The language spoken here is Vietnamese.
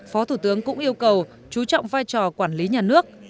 phó thủ tướng cũng yêu cầu chú trọng vai trò quản lý nhà nước